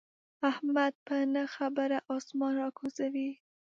احمد په نه خبره اسمان را کوزوي.